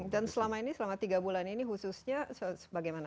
dan selama ini selama tiga bulan ini khususnya bagaimana